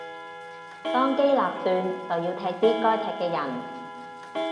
當機立斷就要踢啲該踢嘅人